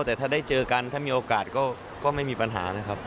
แต่ถ้าได้เจอกันถ้ามีโอกาสก็ไม่มีปัญหานะครับ